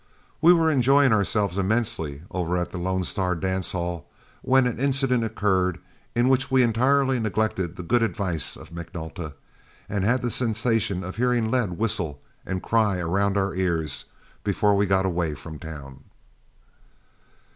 We were enjoying ourselves immensely over at the Lone Star dance hall, when an incident occurred in which we entirely neglected the good advice of McNulta, and had the sensation of hearing lead whistle and cry around our ears before we got away from town.